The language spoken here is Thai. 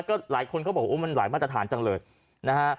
ก็หลายคนก็บอกว่ามันหลายมาตรฐานจังเลยนะฮะ